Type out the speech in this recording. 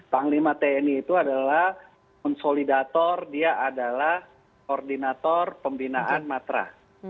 panglima tni itu adalah konsolidator dia adalah koordinator pembinaan matra